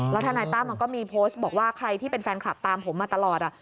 ทนายตั้มมันก็มีโพสต์บอกว่าใครที่เป็นแฟนคลับตามผมมาตลอด